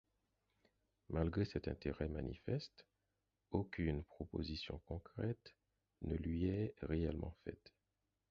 Malgré cet intérêt manifeste, aucune proposition concrète ne lui est réellement faite.